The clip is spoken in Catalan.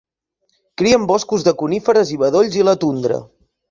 Cria en boscos de coníferes i bedolls i la tundra.